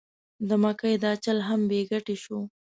د مکۍ دا چل هم بې ګټې شو.